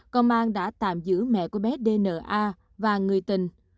công an đã tạm giữ mẹ của bé dna và người tình